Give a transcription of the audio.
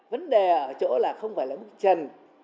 vấn đề ở chỗ là không phải là trần